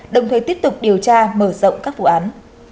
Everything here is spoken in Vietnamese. đồng thời tiếp tục điều tra mở rộng các vụ án